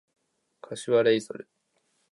柏レイソル